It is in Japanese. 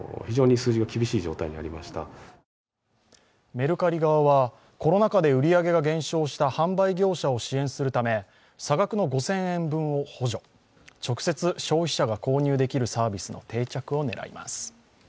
メルカリ側はコロナ禍で売り上げが減少した販売業者を支援するため差額の５０００円分を補助直接、消費者が購入できるサービスの定着を狙います。